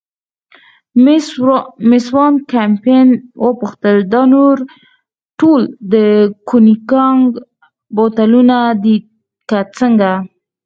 مېس وان کمپن وپوښتل: دا نور ټول د کونیګاک بوتلونه دي که څنګه؟